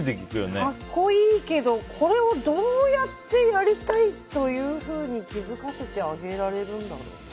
格好いいけどこれを、どうやってやりたいというふうに気づかせてあげられるんだろうな。